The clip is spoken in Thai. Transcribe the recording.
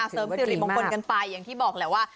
เสริมสิริมงคลกันไปอย่างที่บอกแหละว่า